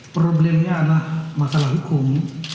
problemnya adalah masalah hukum